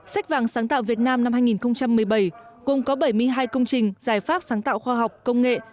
sách vàng sáng tạo việt nam năm hai nghìn một mươi bảy gồm có bảy mươi hai công trình giải pháp sáng tạo khoa học công nghệ